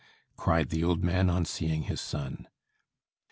cried the old man, on seeing his son.